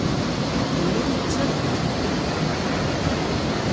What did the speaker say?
Llan ttargun.